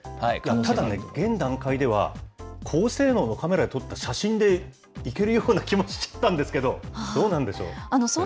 ただね、現段階では、高性能のカメラで撮った写真でいけるような気もしちゃったんですけど、どうなんでしょう。